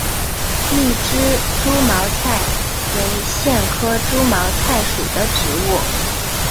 密枝猪毛菜为苋科猪毛菜属的植物。